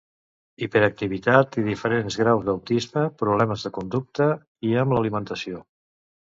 Hiperactivitat i diferents graus d'autisme, problemes de conducta i amb l'alimentació.